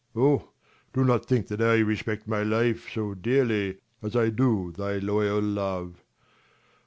Oh, do not think that I respect my life So dearly, as I do thy loyal love.